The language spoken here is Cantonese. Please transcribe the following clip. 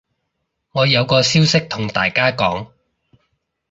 我有個消息同大家講